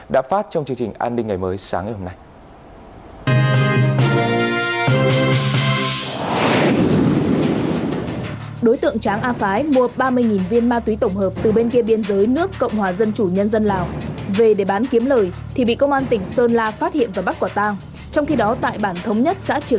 đã phát trong chương trình an ninh ngày mới sáng ngày hôm nay